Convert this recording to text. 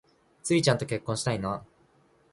ツウィちゃんと結婚したいな